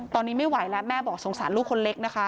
ตอนนี้ไม่ไหวแล้วแม่บอกสงสารลูกคนเล็กนะคะ